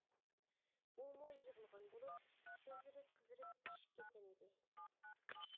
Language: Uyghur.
ئۇمۇ يىغلىغان بولۇپ، كۆزلىرى قىزىرىپ ئىششىپ كەتكەن ئىدى.